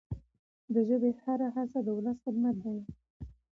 د ژبي هره هڅه د ولس خدمت دی.